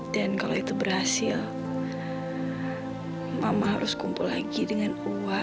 yang akan menjadi saksi nantinya